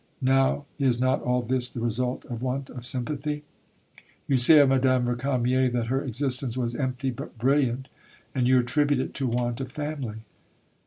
Now is not all this the result of want of sympathy?... You say of M^{me} Récamier that her existence was "empty but brilliant." And you attribute it to want of family.